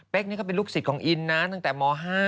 นี่ก็เป็นลูกศิษย์ของอินนะตั้งแต่ม๕